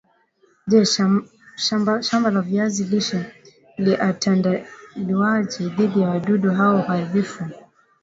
Je shambala viazi lishe liatalindwaje dhidi ya wadudu hao haribifu